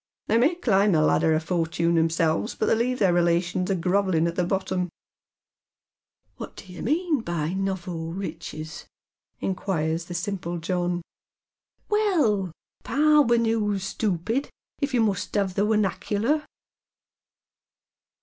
" They may climb the ladder of fortune theirselves, but they leave their relations a grovellin' at tho bottom." " What do you mean by nowo riches ?" inquires the eimpl" John. ^' Well, parwennoos, stoopid, if you must 'av the wemackerler."